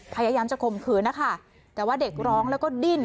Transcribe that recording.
พยายามจะข่มขืนนะคะแต่ว่าเด็กร้องแล้วก็ดิ้น